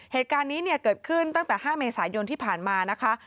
เหตุการณ์นี้เนี่ยเกิดขึ้นตั้งแต่๕เมษายนที่ผ่านมานะคะ